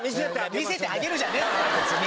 見せてあげるじゃねえんだよ別に。